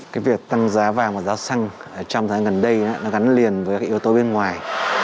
cái việc tăng giá vàng và giá xăng trong thời gian gần đây nó gắn liền với các yếu tố bên ngoài